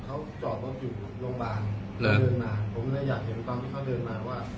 ผมก็อยากเห็นตอนที่เขาเดินมาว่า